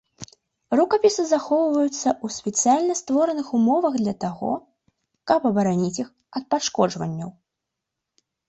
Рукапісы захоўваюцца ў спецыяльна створаных умовах для таго, каб абараніць іх ад пашкоджанні.